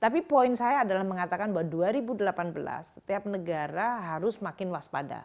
tapi poin saya adalah mengatakan bahwa dua ribu delapan belas setiap negara harus makin waspada